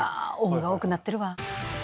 ＯＮが多くなってるわ。